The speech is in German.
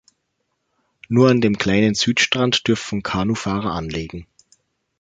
Nur an dem kleinen Südstrand dürfen Kanufahrer anlegen.